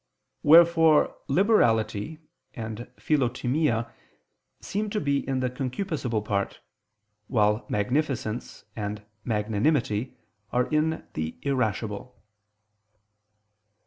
_ Wherefore liberality and philotimia seem to be in the concupiscible part, while magnificence and magnanimity are in the irascible.